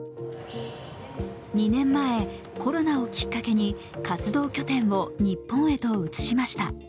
２年前、コロナをきっかけに活動拠点を日本へと移しました。